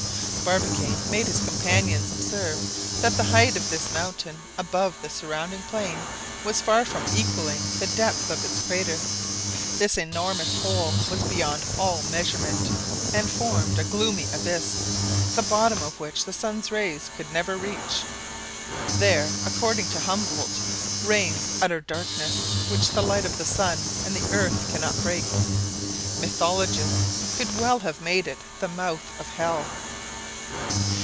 Barbicane made his companions observe that the height of this mountain above the surrounding plain was far from equaling the depth of its crater. This enormous hole was beyond all measurement, and formed a gloomy abyss, the bottom of which the sun's rays could never reach. There, according to Humboldt, reigns utter darkness, which the light of the sun and the earth cannot break. Mythologists could well have made it the mouth of hell.